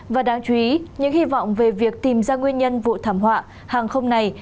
và đáng chú ý những hy vọng về việc tìm ra nguyên nhân vụ thảm họa hàng không này